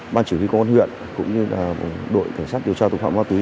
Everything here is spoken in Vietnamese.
ban chỉ huy quân huyện cũng như đội cảnh sát điều tra tổng hợp ma túy